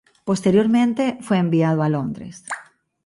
Posteriormente, fue enviado a Londres.